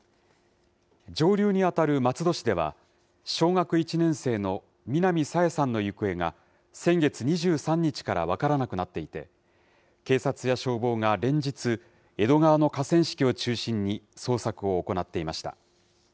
上流に当たる松戸市では、小学１年生の南朝芽さんの行方が、先月２３日から分からなくなっていて、警察や消防が連日、江戸川の河川敷を中心に捜索を行っていました。